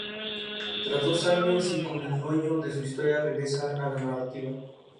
Desde entonces ha sido reemplazada por las redes comerciales.